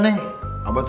neng abah tuh